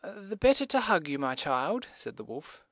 "The bet ter to hug you, my child," said the wolf.